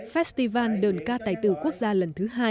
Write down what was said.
festival đờn ca tài tử quốc gia lần thứ hai